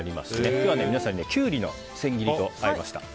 今日は皆さんにキュウリの千切りとあえました。